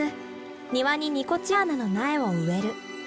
庭にニコチアナの苗を植える。